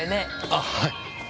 あっはい。